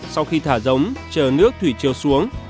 sau khi thả giống chờ nước thủy triều xuống